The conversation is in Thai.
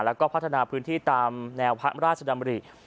แล้วก็พัฒนาพื้นที่ตามแนวพระราชดำริ